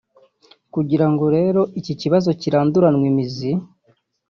Kugira ngo rero iki kibazo kiranduranwe imizi